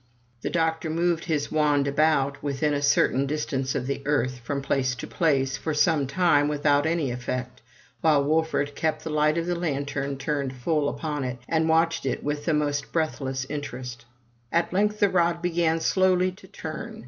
The doctor moved his wand about, within a certain distance of the earth, from place to place, but for some time without any effect, while Wolfert kept the light of the lantern turned full upon it, and watched it with the most breathless interest. At length the rod began slowly to turn.